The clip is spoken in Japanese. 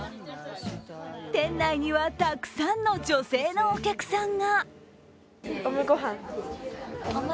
店内にはたくさんの女性のお客さんが。